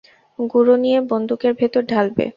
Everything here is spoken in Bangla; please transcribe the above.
গুঁড়ো নিয়ে বন্দুকের ভেতর ঢালবে।